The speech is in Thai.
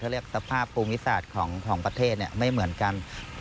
เรียกสภาพภูมิศาสตร์ของประเทศไม่เหมือนกัน